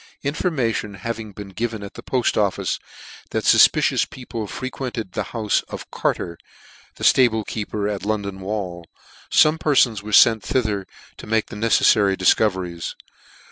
In formation having been given at the Poft Office, that fufpicious people frequented the houfe of Carter, the liable keeper at London Wall, fome perfons were fent thither to make the neceflary difcoveries.